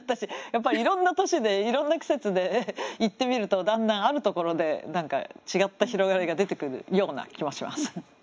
やっぱりいろんな年でいろんな季節で行ってみるとだんだんあるところで違った広がりが出てくるような気もします。